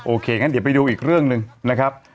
งั้นเดี๋ยวไปดูอีกเรื่องหนึ่งนะครับ